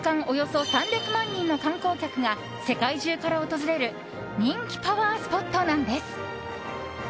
およそ３００万人の観光客が世界中から訪れる人気パワースポットなんです。